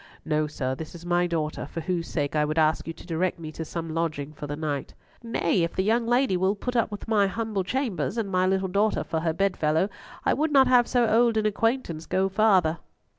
"No, sir, this is my daughter, for whose sake I would ask you to direct me to some lodging for the night." "Nay, if the young lady will put up with my humble chambers, and my little daughter for her bedfellow, I would not have so old an acquaintance go farther."